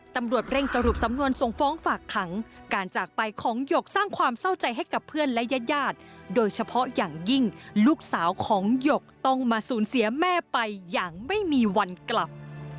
ตำรวจเร่งสรุปสำนวนส่งฟ้องฝากขังการจากไปของหยกสร้างความเศร้าใจให้กับเพื่อนและญาติญาติโดยเฉพาะอย่างยิ่งลูกสาวของหยกต้องมาสูญเสียแม่ไปอย่างไม่มีวันกลับ